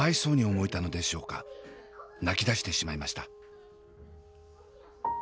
泣きだしてしまいました。